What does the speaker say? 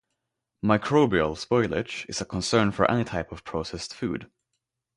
Microbial spoilage is a concern for any type of processed food.